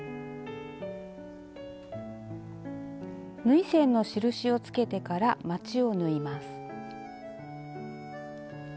縫い線の印をつけてからまちを縫います。